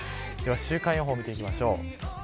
週間予報見ていきましょう。